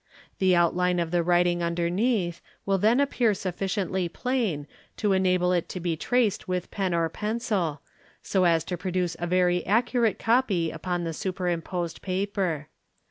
The outline of the writing underneath will then appear sufficiently plain to enable it to be traced with pen or pencil, so as 10 produce a very accurate copy upon the superimposed paper.